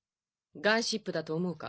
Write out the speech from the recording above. ガンシップだと思うか？